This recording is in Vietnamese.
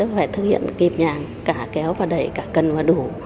phải thực hiện kịp nhàng cả kéo và đẩy cả cần và đủ